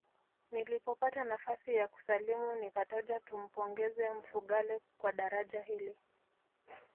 Nilipopata nafasi ya kusalimu nikataja tumpongeze Mfugale kwa daraja hili